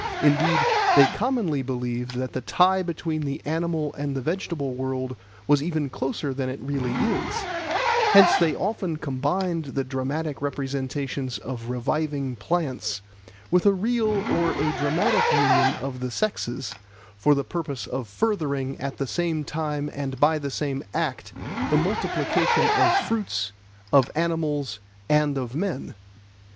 Indeed they commonly believed that the tie between the animal and the vegetable world was even closer than it really is; hence they often combined the dramatic representation of reviving plants with a real or a dramatic union of the sexes for the purpose of furthering at the same time and by the same act the multiplication of fruits, of animals, and of men.